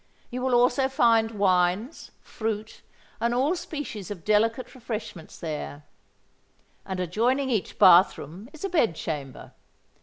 You will also find wines, fruits, and all species of delicate refreshments there; and adjoining each bath room is a bed chamber.